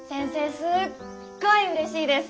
すっごいうれしいです。